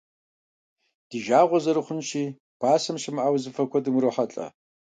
Ди жагъуэ зэрыхъунщи, пасэм щымыӀа узыфэ куэдым урохьэлӀэ.